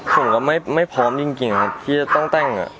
ผมก็ไม่พร้อมจริงครับที่จะต้องแต่ง